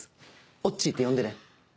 「おっちー」って呼んでね。